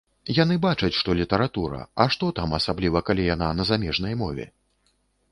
Яны бачаць, што літаратура, а што там, асабліва калі яна на замежнай мове?